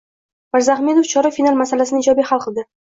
Mirzahmedov chorak final masalasini ijobiy hal qilding